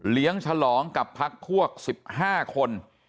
เลี้ยงฉลองกับพักพวก๑๕คน